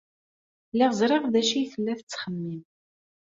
Lliɣ ẓriɣ d acu ay tella tettxemmim.